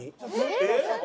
えっ？